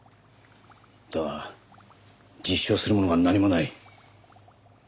だが実証するものが何もない。